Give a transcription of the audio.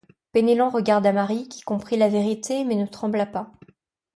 Penellan regarda Marie, qui comprit la vérité, mais ne trembla pas.